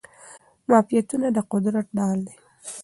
معافیتونه د قدرت ډال دي.